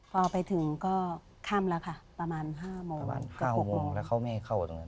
พอไปถึงเข้าเมืองค่ะประมาณ๕โมง